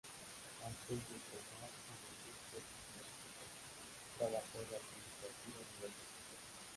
Antes de entrar en la industria pornográfica, trabajó de administrativo en diversas empresas.